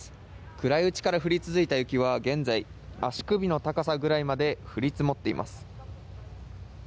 暗いうちから降り続いた雪は現在、足首の高さまで降り積もっています。